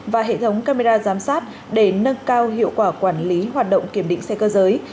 và hệ thống camera giám sát để nâng cao hiệu quả quản lý hoạt động kiểm định xe cơ giới